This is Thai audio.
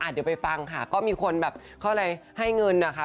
เดี๋ยวไปฟังค่ะก็มีคนแบบเขาอะไรให้เงินนะคะ